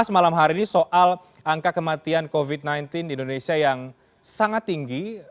malam hari ini soal angka kematian covid sembilan belas di indonesia yang sangat tinggi